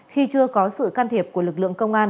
khi chưa có sự can thiệp của lực lượng công an